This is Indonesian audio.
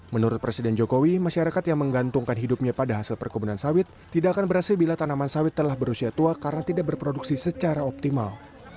menurut presiden jokowi masyarakat yang menggantungkan hidupnya pada hasil perkebunan sawit tidak akan berhasil bila tanaman sawit telah berusia tua karena tidak berproduksi secara optimal